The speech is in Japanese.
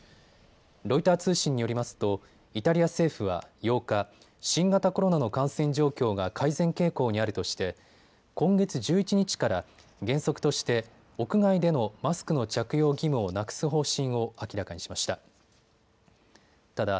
ロイター通信によりますとイタリア政府は８日、新型コロナの感染状況が改善傾向にあるとして今月１１日から原則として屋外でのマスクの着用義務をなくす方針を明らかにしました。